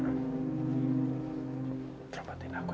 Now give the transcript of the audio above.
poin tempat bikin tahu